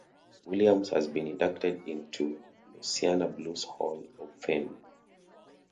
Williams has been inducted into the Louisiana Blues Hall of Fame.